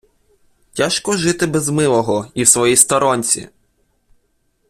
Тяжко жити без милого і в своїй сторонці!